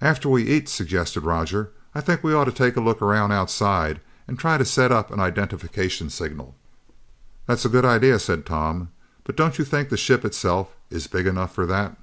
"After we eat," suggested Roger, "I think we ought to take a look around outside and try to set up an identification signal." "That's a good idea," said Tom, "but don't you think the ship itself is big enough for that?"